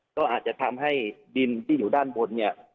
ก็อาจจะทำให้ดินที่อยู่ด้านบนเนี่ย